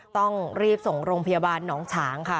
ต้องรีบส่งโรงพยาบาลหนองฉางค่ะ